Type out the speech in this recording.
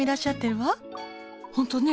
本当ね。